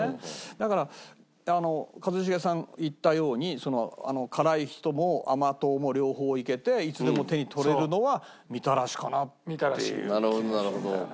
だから一茂さんが言ったように辛い人も甘党も両方いけていつでも手に取れるのはみたらしかなっていう気がするんだよね。